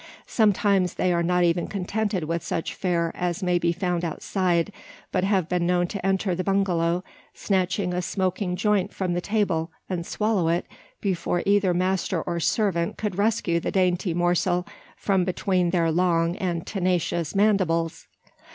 Sometimes they are not even contented with such fare as may be found outside; but have been known to enter the bungalow; snatch a smoking joint from the table; and swallow it, before either master or servant could rescue the dainty morsel from between their long and tenacious mandibles!